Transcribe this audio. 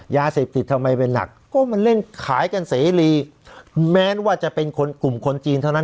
ยาเสพติดทำไมเป็นหลักก็มันเล่นขายกันเสรีแม้ว่าจะเป็นคนกลุ่มคนจีนเท่านั้น